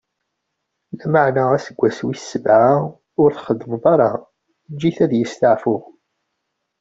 Lameɛna aseggas wis sebɛa, ur ttxeddmeḍ ara, eǧǧ-it ad isteɛfu.